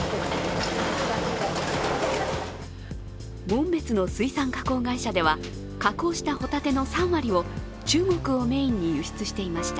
紋別の水産加工会社では加工したホタテの３割を中国をメインに輸出していました。